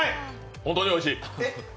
本当においしい？